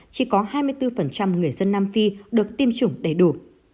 chỉ có hai mươi bốn người dân nam phi được tiêm chủng đầy đủ